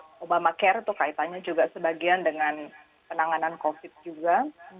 obama care itu kaitannya juga sebagian dengan penanganan covid juga